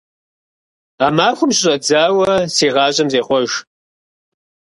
А махуэм щыщӀэдзауэ си гъащӀэм зехъуэж.